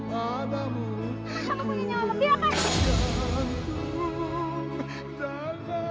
kamu punya nyawa lebih apa